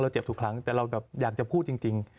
เจ็บทุกครั้งแต่เราแบบอยากจะพูดจริง